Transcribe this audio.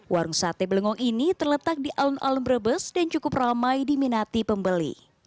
warung sate belengong ini terletak di alun alun brebes dan cukup ramai diminati pembeli